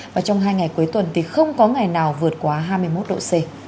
và trong hai ngày cuối tuần thì không có ngày nào vượt quá hai mươi một độ c